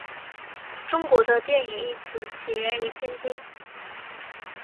中文的电影一词起源于天津。